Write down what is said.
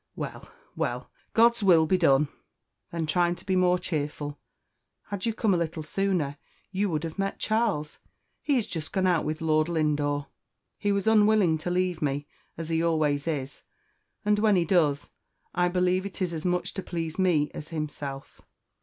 "Well well God's will be done!" Then trying to be more cheerful, "Had you come little sooner, you would have met Charles. He is just gone out with Lord Lindore. He was unwilling to leave me, as he always is, and when he does, I believe it is as much to please me as himself.